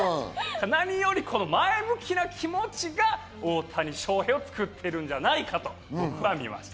何より前向きな気持ちが大谷翔平を作っているんじゃないかと僕は見ました。